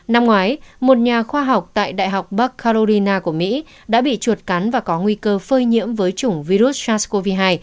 năm ngoái một nhà khoa học tại đại học bắc carolina của mỹ đã bị chuột cắn và có nguy cơ phơi nhiễm với chủng virus sars cov hai